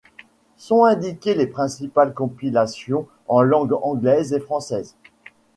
Sont indiquées les principales compilations en langue anglaise et française.